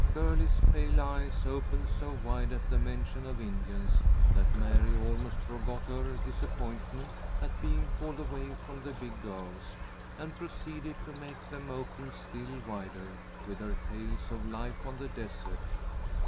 Girlie's pale eyes opened so wide at the mention of Indians that Mary almost forgot her disappointment at being called away from the big girls, and proceeded to make them open still wider with her tales of life on the desert.